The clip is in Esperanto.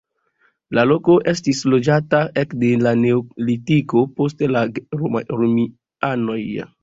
La loko estis loĝata ekde la neolitiko post la romianoj.